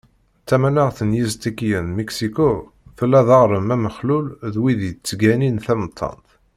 Tamaneɣt n Yiztikiyen, Miksiku, tella d aɣrem amexlul n wid yettganin tamettant.